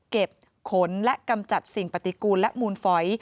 ขนและกำจัดสิ่งปฏิกูลและมูลฝอย